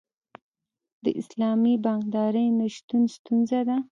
د اسلامي بانکدارۍ نشتون ستونزه ده.